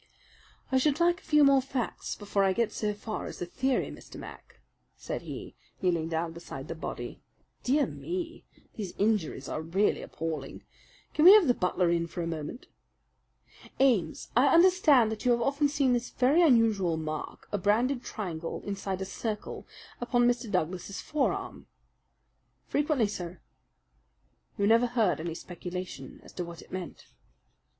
"I should like a few more facts before I get so far as a theory, Mr. Mac," said he, kneeling down beside the body. "Dear me! these injuries are really appalling. Can we have the butler in for a moment?... Ames, I understand that you have often seen this very unusual mark a branded triangle inside a circle upon Mr. Douglas's forearm?" "Frequently, sir." "You never heard any speculation as to what it meant?"